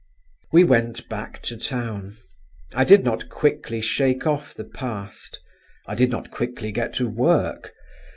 We went back to town. I did not quickly shake off the past; I did not quickly get to work.